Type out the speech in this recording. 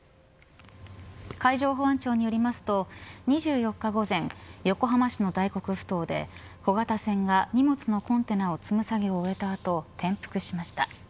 海上保安庁によりますと２４日午前横浜市の大黒ふ頭で小型船が荷物のコンテナを積む作業を終えた後転覆しました。